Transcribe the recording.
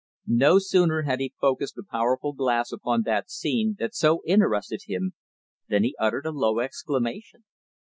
No sooner had he focused the powerful glass upon the scene that so interested him, than he uttered a low exclamation.